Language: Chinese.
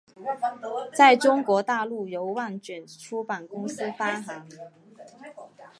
在中国大陆由万卷出版公司发行。